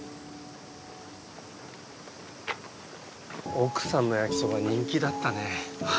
奥さんの焼きそば人気だったね。